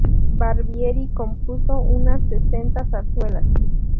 Barbieri compuso unas sesenta zarzuelas.